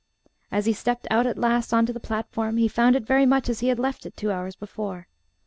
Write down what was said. As he stepped out at last on to the platform, he found it very much as he had left it two hours before.